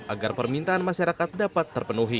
agar permintaan masyarakat dapat terpenuhi